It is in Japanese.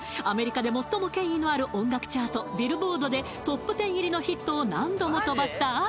アメリカで最も権威のある音楽チャートビルボードでＴＯＰ１０入りのヒットを何度も飛ばした